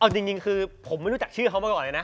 เอาจริงคือผมไม่รู้จักชื่อเขามาก่อนเลยนะ